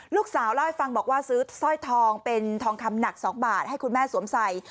เล่าให้ฟังบอกว่าซื้อสร้อยทองเป็นทองคำหนัก๒บาทให้คุณแม่สวมใส่